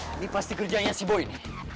ini pasti kerjanya si boy nih